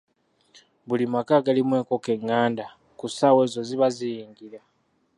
Buli maka agalimu enkoko enganda, ku ssaawa ezo ziba ziyingira.